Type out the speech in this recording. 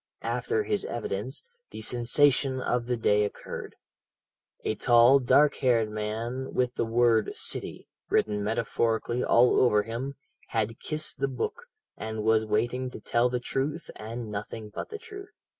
"After his evidence, the sensation of the day occurred. A tall, dark haired man, with the word 'City' written metaphorically all over him, had kissed the book, and was waiting to tell the truth, and nothing but the truth.